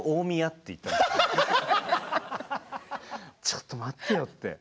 ちょっと待ってよって。